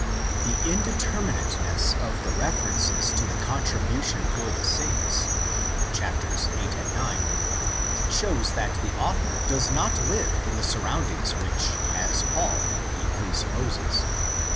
The indeterminateness of the references to the contribution for the saints (cc. viil.—ix.) shows that the author does not live in the surroundings which, as Paul, he presupposes.